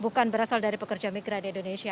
bukan berasal dari pekerja migran di indonesia